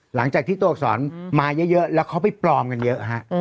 หลังจากที่ตัวอักษรมาเยอะแล้วเขาไปปลอมกันเยอะฮะ